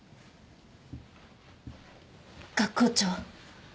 学校長。